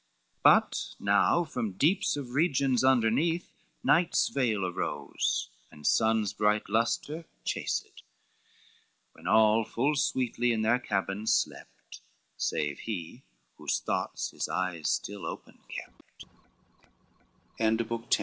But now from deeps of regions underneath Night's veil arose, and sun's bright lustre chased, When all full sweetly in their cabins slept, Save he, whose thoughts his eyes still o